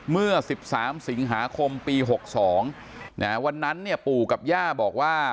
เมื่อ๑๓สิงหาคมปี๖๒วันนั้นเนี่ยปู่กับย่าบอกว่า